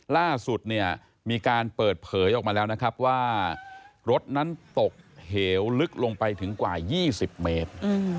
ล่าสุดเนี่ยมีการเปิดเผยออกมาแล้วนะครับว่ารถนั้นตกเหวลึกลงไปถึงกว่า๒๐เมตร